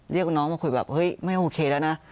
เรียกน้องมาคุยแบบเฮ้ยไม่โอเคแล้วนะ